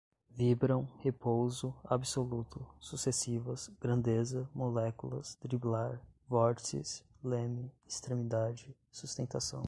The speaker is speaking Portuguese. vibram, repouso, absoluto, sucessivas, grandeza, moléculas, driblar, vórtices, leme, extremidade, sustentação